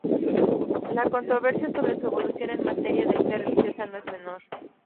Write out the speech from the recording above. La controversia sobre su evolución en materia de fe religiosa no es menor.